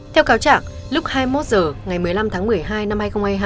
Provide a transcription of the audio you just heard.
theo cáo trạng lúc hai mươi một h ngày một mươi năm tháng một mươi hai năm hai nghìn hai mươi hai